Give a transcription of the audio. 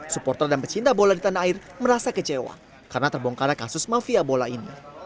supporter dan pecinta bola di tanah air merasa kecewa karena terbongkarnya kasus mafia bola ini